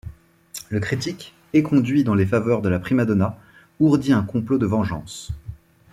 Le critique, éconduit dans les faveurs de la prima-donna, ourdit un complot de vengeance.